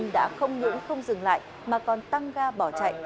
đã không những không dừng lại mà còn tăng ga bỏ chạy